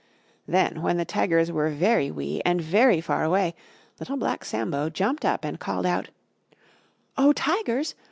Then, when the Tigers were very wee and very far away, Little Black Sambo jumped up and called out, "Oh! Tigers!